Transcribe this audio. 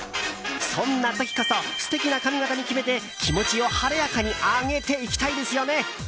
そんな時こそ素敵な髪形に決めて気持ちを晴れやかに上げていきたいですよね。